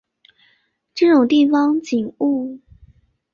这种地方景物